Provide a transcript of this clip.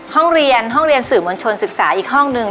ห้องเรียนห้องเรียนสื่อมวลชนศึกษาอีกห้องนึง